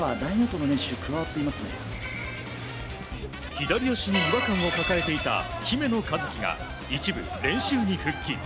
左足に違和感を抱えていた姫野和樹が一部、練習に復帰。